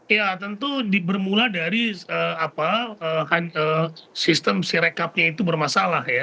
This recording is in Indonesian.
ya tentu bermula dari sistem sirekapnya itu bermasalah ya